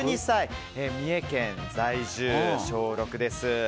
三重県在住の小６です。